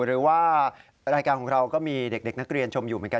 หรือว่ารายการของเราก็มีเด็กนักเรียนชมอยู่เหมือนกัน